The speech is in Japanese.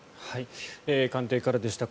官邸からでした。